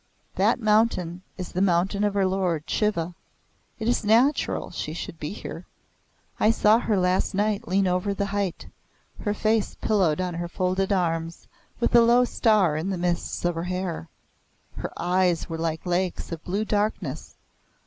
That mountain is the mountain of her lord Shiva. It is natural she should be here. I saw her last night lean over the height her face pillowed on her folded arms, with a low star in the mists of her hair. Her eyes were like lakes of blue darkness.